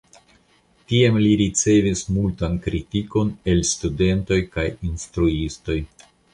Tiam li ricevis multan kritikon el studentoj kaj instruistoj.